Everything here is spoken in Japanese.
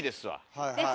はい。